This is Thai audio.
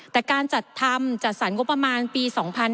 แต่การจัดทำจัดสรรงบประมาณปี๒๕๕๙